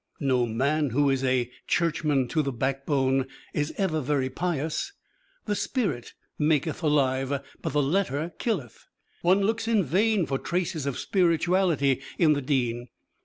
No man who is a "Churchman to the backbone" is ever very pious: the spirit maketh alive, but the letter killeth. One looks in vain for traces of spirituality in the Dean.